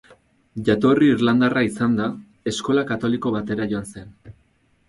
Jatorri irlandarra izanda, eskola katoliko batera joan zen.